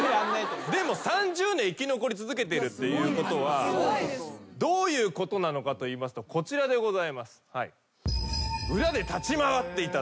でも３０年生き残り続けてるということはどういうことなのかといいますとこちらでございます。